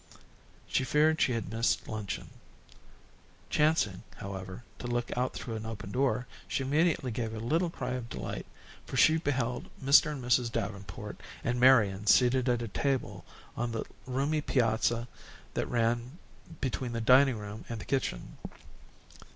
She feared she had missed luncheon. Chancing, however, to look out through an open door, she immediately gave a little cry of delight, for she beheld Mr. and Mrs. Davenport and Marian seated at a table on the roomy piazza that ran between the dining room and the kitchen.